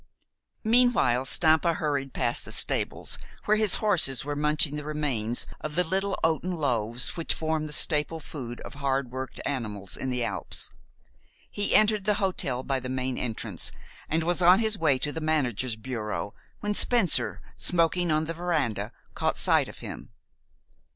Meanwhile, Stampa hurried past the stables, where his horses were munching the remains of the little oaten loaves which form the staple food of hard worked animals in the Alps. He entered the hotel by the main entrance, and was on his way to the manager's bureau, when Spencer, smoking on the veranda, caught sight of him.